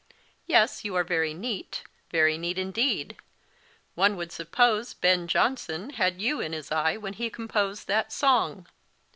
Yes, you are very neat, very neat indeed; one would suppose Ben Jonson had you in his eye when he composed that song."